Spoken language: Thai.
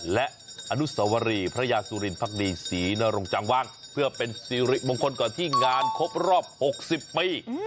และอนุสวรีพระยาสุรินพักดีศรีนรงจังว่างเพื่อเป็นสิริมงคลก่อนที่งานครบรอบ๖๐ปี